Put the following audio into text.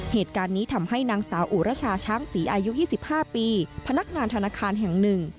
เหตุการณ์นี้ทำให้นางสาวอุรชาช้างศรีอายุ๒๕ปีพนักงานธนาคารแห่งหนึ่ง